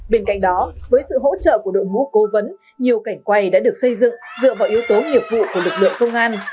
bên cạnh đó với sự hỗ trợ của đội ngũ cố vấn nhiều cảnh quay đã được xây dựng dựa vào yếu tố nghiệp vụ của lực lượng công an